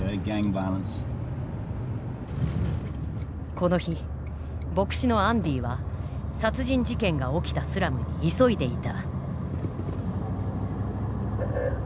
この日牧師のアンディは殺人事件が起きたスラムに急いでいた。